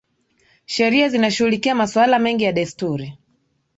Sheria zinashughulikia masuala mengi ya desturi